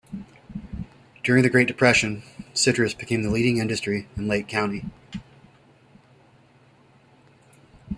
During the Great Depression, citrus became the leading industry in Lake County.